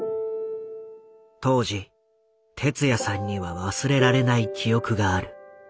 当時哲也さんには忘れられない記憶がある。